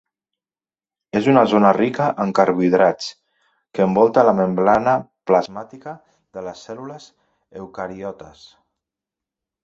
És una zona rica en carbohidrats que envolta la membrana plasmàtica de les cèl·lules eucariotes.